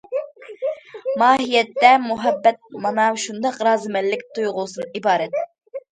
ماھىيەتتە مۇھەببەت مانا شۇنداق رازىمەنلىك تۇيغۇسىدىن ئىبارەت.